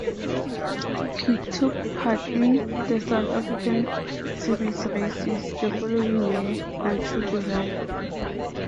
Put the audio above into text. He took part in the South African series races the following year until July.